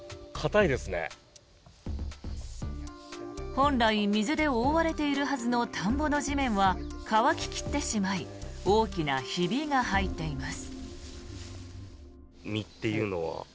本来、水で覆われているはずの田んぼの地面は乾き切ってしまい大きなひびが入っています。